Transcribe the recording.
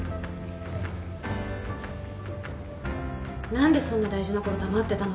何でそんな大事なこと黙ってたのよ。